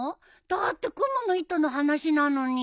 だってクモの糸の話なのに。